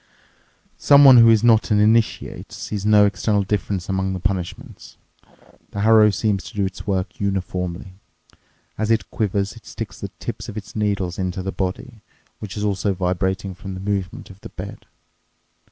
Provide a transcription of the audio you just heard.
Someone who is not an initiate sees no external difference among the punishments. The harrow seems to do its work uniformly. As it quivers, it sticks the tips of its needles into the body, which is also vibrating from the movement of the bed.